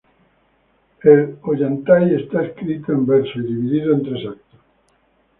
El "Ollantay" está escrito en verso y dividido en tres actos.